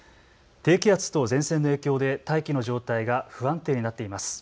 低気圧と前線の影響で大気の状態が不安定になっています。